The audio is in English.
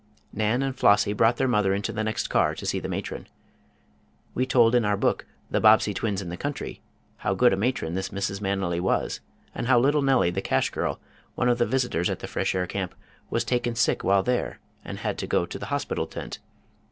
Nan and Flossie brought their mother into the next car to see the matron. We told in our book, "The Bobbsey Twins in the Country," how good a matron this Mrs. Manily was, and how little Nellie, the cash girl, one of the visitors at the Fresh Air Camp, was taken sick while there, and had to go to the hospital tent.